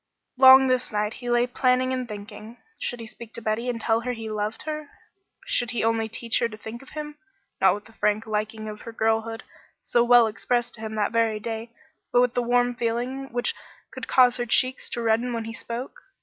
Long this night he lay planning and thinking. Should he speak to Betty and tell her he loved her? Should he only teach her to think of him, not with the frank liking of her girlhood, so well expressed to him that very day, but with the warm feeling which would cause her cheeks to redden when he spoke?